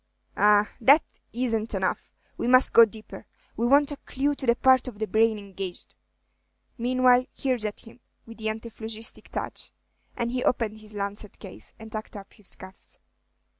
"Ah, that isn't enough, we must go 'deeper; we want a clew to the part of the brain engaged. Meanwhile, here's at him, with the antiphlogistic touch;" and he opened his lancet case, and tucked up his cuffs.